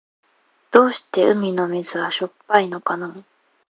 どうして海の水はしょっぱいのかな。